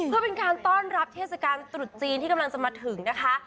เพื่อเป็นการต้อนรับเทศกาลตรุษจีนที่กำลังจะมาถึงนะคะ